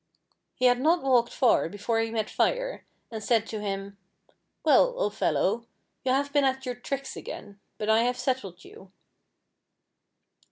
He had not walked far before he met Fire, and said to him, *' Well, old fellow, you have been at your tricks again ; but I have settled you."